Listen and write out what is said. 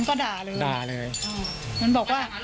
ครับ